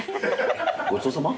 ごちそうさま？